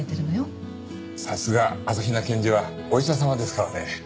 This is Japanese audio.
さすが朝日奈検事はお医者様ですからね。